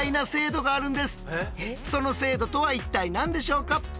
その制度とは一体何でしょうか？